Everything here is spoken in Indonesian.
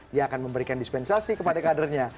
dia akan memberikan dispensasi kepada kadernya